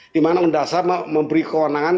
dimana undang undang memberi kewenangan